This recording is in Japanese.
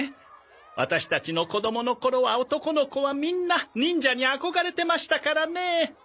ワタシたちの子どもの頃は男の子はみんな忍者に憧れてましたからねえ。